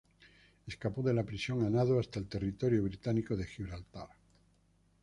Escapó de la prisión a nado hasta el territorio británico de Gibraltar.